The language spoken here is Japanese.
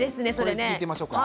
これ聞いてみましょうか。